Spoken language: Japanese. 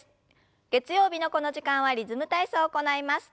月曜日のこの時間は「リズム体操」を行います。